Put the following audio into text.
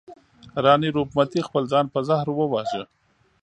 راني روپ متي خپل ځان په زهر وواژه.